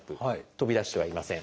飛び出してはいません。